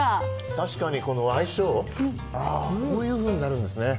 確かに相性、こういうふうになるんですね。